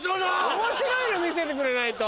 面白いの見せてくれないと。